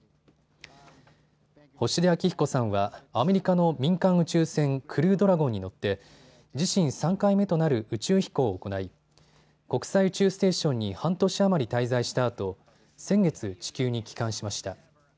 星出彰彦さんはアメリカの民間宇宙船クルードラゴンに乗って自身３回目となる宇宙飛行を行い国際宇宙ステーションに半年余り滞在したあと先月、地球に帰還しました。